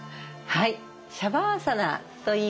はい。